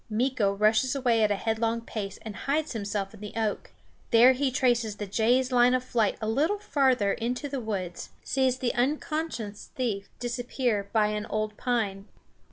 Meeko rushes away at a headlong pace and hides himself in the oak. There he traces the jay's line of flight a little farther into the woods; sees the unconscious thief disappear by an old pine.